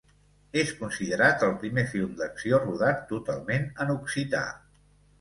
És considerat el primer film d'acció rodat totalment en occità.